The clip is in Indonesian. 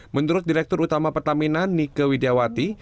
menurut direktur utama pertamina nike widiawati